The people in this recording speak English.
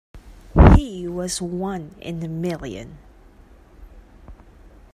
He was one in a million.